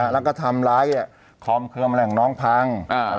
แล้วก็ทำร้ายคอมเคลือมแหล่งน้องพัง